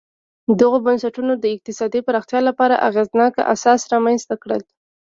دغو بنسټونو د اقتصادي پراختیا لپاره اغېزناک اساسات رامنځته کړل